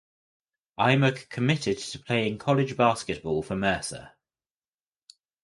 Aimaq committed to playing college basketball for Mercer.